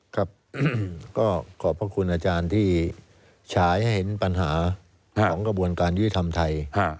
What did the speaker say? ครับก็ขอบพระคุณอาจารย์ที่ฉายให้เห็นปัญหาของกระบวนการยุติธรรมไทย